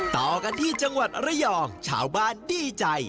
ต่อกันที่จังหวัดระยองชาวบ้านดีใจ